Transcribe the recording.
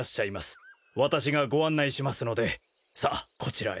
私がご案内しますのでさあこちらへ。